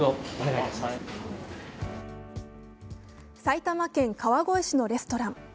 埼玉県川越市のレストラン。